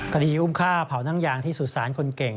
คดีอุ้มฆ่าเผานั่งยางที่สุสานคนเก่ง